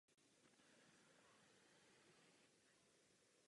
Vyšší vodní stavy jsou od prosince do května.